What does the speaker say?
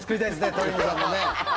鳥海さんのね。